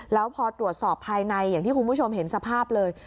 แล้วพอตรวจสอบภายในอย่างที่คุณผู้ชมเห็นสภาพเลย